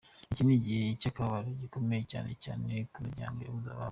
Iki ni igihe cy’akababaro gakomeye cyane cyane ku miryango yabuze ababo.